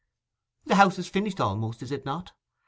The house is finished almost, is it not?